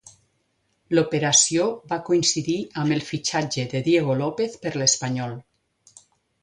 L'operació va coincidir amb el fitxatge de Diego López per l'Espanyol.